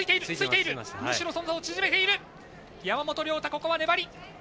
山本涼太、ここは粘り。